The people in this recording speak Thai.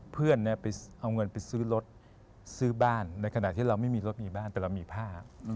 เพื่อนไปเอาเงินไปซื้อรถซื้อบ้านในขณะที่เราไม่มีรถมีบ้านแต่เรามีผ้า